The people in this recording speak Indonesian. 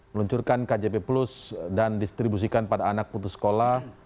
meluncurkan kjp plus dan distribusikan pada anak putus sekolah